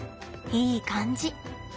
いい感じ。